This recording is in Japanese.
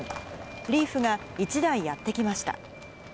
リーフが１台やって来ました。